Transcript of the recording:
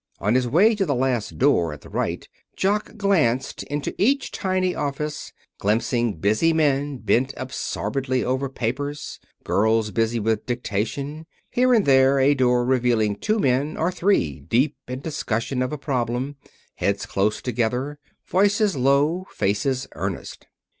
On his way to the last door at the right Jock glanced into each tiny office, glimpsing busy men bent absorbedly over papers, girls busy with dictation, here and there a door revealing two men, or three, deep in discussion of a problem, heads close together, voices low, faces earnest.